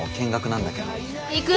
行く。